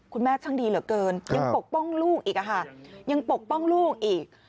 คุณแม่ช่างดีเหลือเกินยังปกป้องลูกอีก